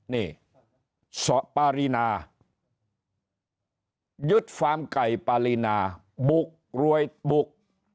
นี่สปารีนายึดฟาร์มไก่ปารีนาบุกรวยบุก